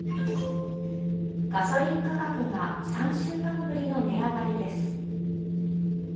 ガソリン価格が３週間ぶりの値上がりです。